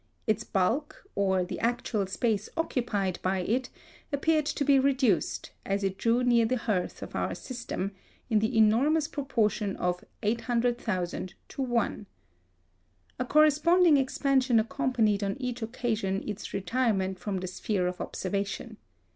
Its bulk, or the actual space occupied by it, appeared to be reduced, as it drew near the hearth of our system, in the enormous proportion of 800,000 to 1. A corresponding expansion accompanied on each occasion its retirement from the sphere of observation.